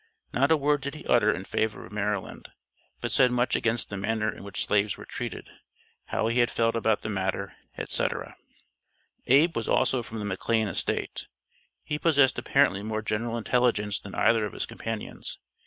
Not a word did he utter in favor of Maryland, but said much against the manner in which slaves were treated, how he had felt about the matter, etc. Abe was also from the McLane estate. He possessed apparently more general intelligence than either of his companions.